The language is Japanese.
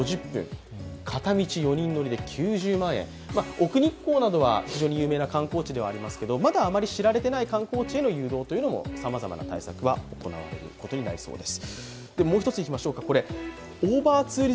奥日光などは非常に有名な観光地ではありますけれども、まだあまり知られていない観光地への誘導というのも、さまざまな対策が行われることになりそうです